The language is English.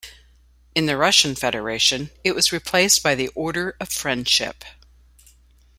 In the Russian Federation it was replaced by the Order of Friendship.